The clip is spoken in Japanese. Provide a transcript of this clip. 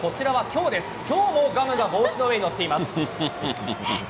今日もガムが帽子の上に載っています。